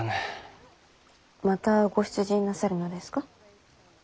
またご出陣なさるのですか？